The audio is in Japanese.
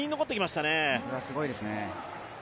すごいですね。